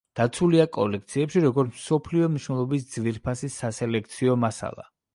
დაცულია კოლექციებში, როგორც მსოფლიო მნიშვნელობის ძვირფასი სასელექციო მასალა.